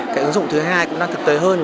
cái ứng dụng thứ hai cũng đang thực tế hơn